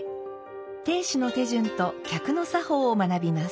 亭主の手順と客の作法を学びます。